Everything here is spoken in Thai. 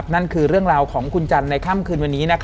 นั่นคือเรื่องราวของคุณจันทร์ในค่ำคืนวันนี้